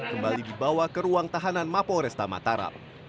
kembali dibawa ke ruang tahanan mapolresta mataram